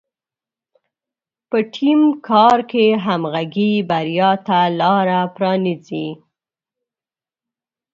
په ټیم کار کې همغږي بریا ته لاره پرانیزي.